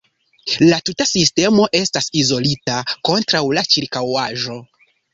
La tuta sistemo estas izolita kontraŭ la ĉirkaŭaĵo.